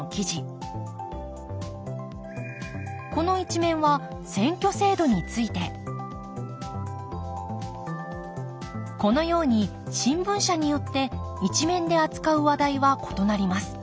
この１面は選挙制度についてこのように新聞社によって１面で扱う話題は異なります。